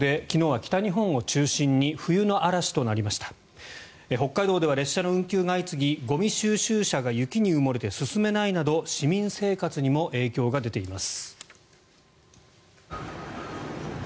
北海道では列車の運休が相次ぎゴミ収集車が雪に埋もれて進めないなど市民生活にも影響が出ています。